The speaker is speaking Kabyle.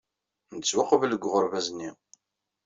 Nettwaqbel deg uɣerbaz-nni.